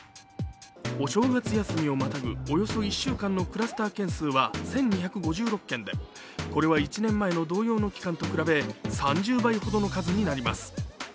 お正月休みをまたぐ、およそ１週間のクラスター発生数は１２５６件でこれは１年前の同様の期間と比べ３０倍ほどの数になります。